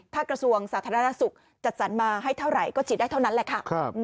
ถ้ากระทรวงสาธารณสุขจัดสรรมาให้เท่าไหร่ก็ฉีดได้เท่านั้นแหละค่ะ